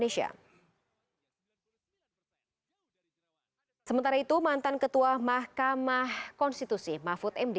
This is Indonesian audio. sementara itu mantan ketua mahkamah konstitusi mahfud md